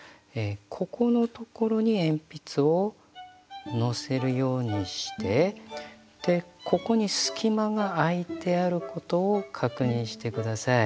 ここのところに鉛筆をのせるようにしてここに隙間が空いてあることを確認して下さい。